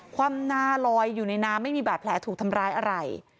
ความหน้าลอยอยู่ในน้ำไม่มีบาดแผลถูกทำร้ายอะไร